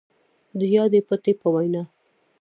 د يادې پتې په وينا،